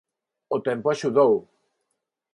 O tempo axudou.